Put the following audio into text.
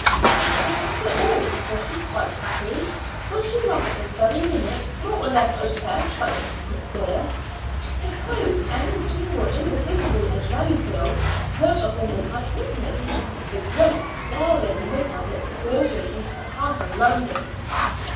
But, after all, was she quite happy? Was she not at this very minute more or less oppressed by a secret fear? Suppose any single individual in Merrifield heard of the midnight picnic the great, daring, midnight excursion into the heart of London.